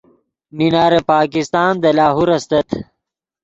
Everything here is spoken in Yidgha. مینار پاکستان دے لاہور استت